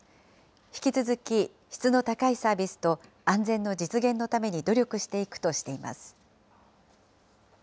引き続き質の高いサービスと安全の実現のために努力していくとしています。